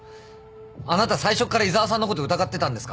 あなた最初っから井沢さんのこと疑ってたんですか？